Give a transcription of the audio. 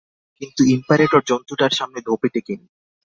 কিন্তু ইম্পারেটর জন্তুটার সামনে ধোপে টেকেনি।